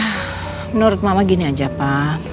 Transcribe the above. menurut mama gini aja pak